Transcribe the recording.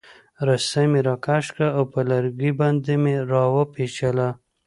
رسۍ مې راکش کړه او پر لرګي باندې مې را وپیچله.